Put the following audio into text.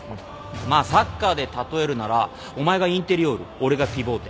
まあサッカーで例えるならお前がインテリオール俺がピボーテ。